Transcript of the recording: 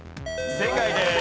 正解です。